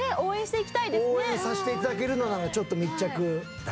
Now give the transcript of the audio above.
応援させて頂けるのならちょっと密着。